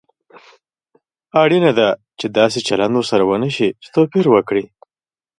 اړینه ده چې داسې چلند ورسره ونشي چې توپير وکړي.